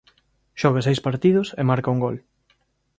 Xoga seis partidos e marca un gol.